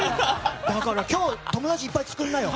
だから今日友達いっぱい作りなよ。